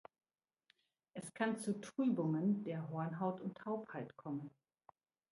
Es kann zu Trübungen der Hornhaut und Taubheit kommen.